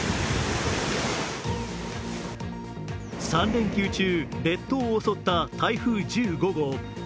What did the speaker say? ３連休中、列島を襲った台風１５号。